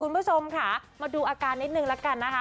คุณผู้ชมค่ะมาดูอาการนิดนึงแล้วกันนะคะ